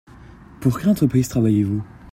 Pour quelle entreprise travaillez-vous ?